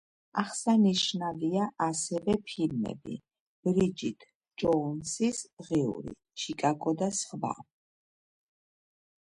აღსანიშნავია ასევე ფილმები: „ბრიჯიტ ჯოუნსის დღიური“, „ჩიკაგო“ და სხვა.